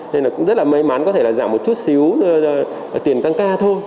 nên là cũng rất là may mắn có thể là giảm một chút xíu tiền tăng ca thôi